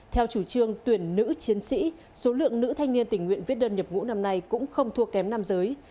theo chủ trương tuyển nữ chiến sĩ số lượng nữ thanh niên tình nguyện viết đơn nhập ngũ năm nay cũng không thua kém nam giới